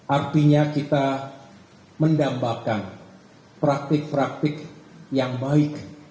artinya kita mendambakan praktik praktik yang baik